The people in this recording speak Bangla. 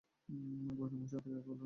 গোয়েন্দা মশাই যাই বলুক, এখনও করি না!